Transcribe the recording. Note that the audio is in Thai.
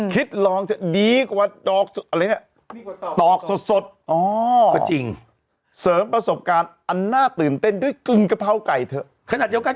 คิดลองจะดีกว่าต่อกจอด